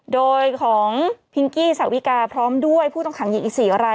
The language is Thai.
โดยของพิงกี้สาวิกาพร้อมด้วยผู้ต้องขังหญิงอีก๔ราย